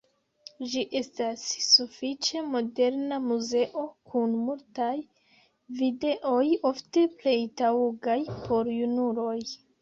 Ĝi estas sufiĉe moderna muzeo, kun multaj videoj, ofte plej taŭgaj por junuloj.